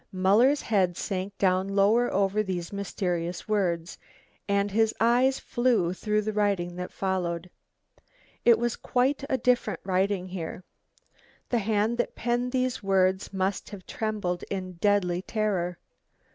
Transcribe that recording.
Muller's head sank down lower over these mysterious words, and his eyes flew through the writing that followed. It was quite a different writing here. The hand that penned these words must have trembled in deadly terror.